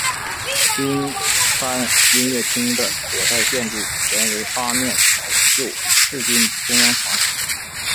金帆音乐厅的所在建筑原为八面槽救世军中央堂。